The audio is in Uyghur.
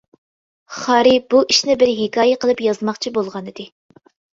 خارى بۇ ئىشنى بىر ھېكايە قىلىپ يازماقچى بولغانىدى.